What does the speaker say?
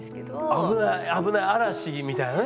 危ない危ない嵐みたいなね？